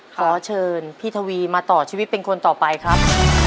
ขอเชิญพี่ทวีมาต่อชีวิตเป็นคนต่อไปครับ